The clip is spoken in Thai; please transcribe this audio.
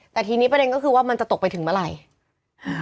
แต่ทีนี้ประเด็นก็คือว่ามันจะตกไปถึงเมื่อไหร่อ่า